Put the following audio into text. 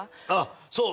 そう！